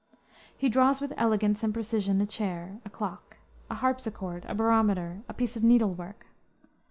He draws with elegance and precision a chair, a clock, a harpsichord, a barometer, a piece of needle work.